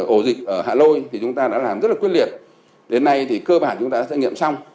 ổ dịch ở hạ lôi thì chúng ta đã làm rất là quyết liệt đến nay thì cơ bản chúng ta đã xét nghiệm xong